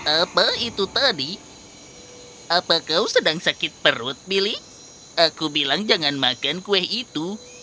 apa itu tadi apa kau sedang sakit perut billy aku bilang jangan makan kue itu